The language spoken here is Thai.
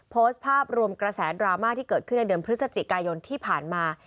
โพสต์ภาพรวมกระแสดราม่าที่เกิดขึ้นในเดือนพฤศจิกายนที่ผ่านมา